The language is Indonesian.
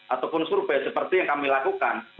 ataupun survei seperti yang kami lakukan